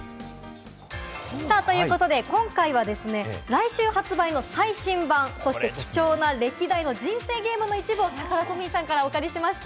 ということで、今回はですね、来週発売の最新版、そして貴重な歴代の人生ゲームの一部をタカラトミーさんからお借りしました。